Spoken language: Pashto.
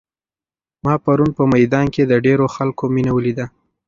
ما پرون په میدان کې د ډېرو خلکو مینه ولیده.